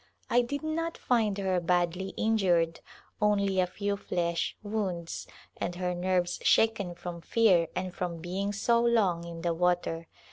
I did not find her badly injured — only a (tw flesh wounds, and her nerves shaken from fear and from being so long in the water.